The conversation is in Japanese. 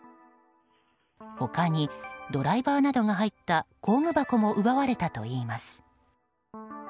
他に、ドライバーなどが入った工具箱も奪われたといいます。